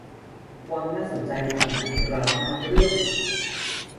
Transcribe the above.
ความน่าสนใจของหนังดราม่าเรื่อง